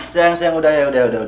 sayang siang udah ya udah